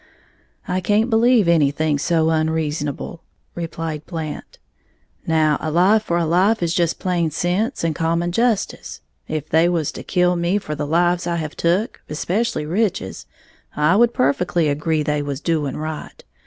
"I can't believe anything so unreasonable," replied Blant. "Now, a life for a life is just plain sense and common justice, if they was to kill me for the lives I have took, especially Rich's, I would perfectly agree they was doing right.